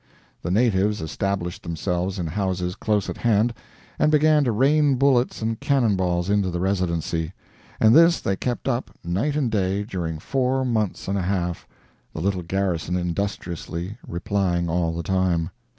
The natives established themselves in houses close at hand and began to rain bullets and cannon balls into the Residency; and this they kept up, night and day, during four months and a half, the little garrison industriously replying all the time.